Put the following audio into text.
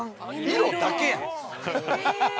色だけやん。